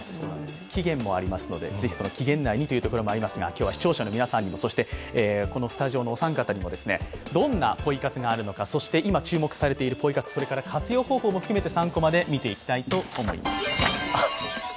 期限もありますので、是非期限内でというところもありますが、今日は視聴者の皆さんにそしてスタジオのお三方にもどんなポイ活があるのか、そして今注目されているポイ活、活用方法も含めて３コマで見ていきたいと思います。